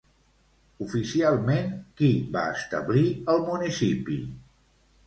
Oficialment, qui va establir el municipi?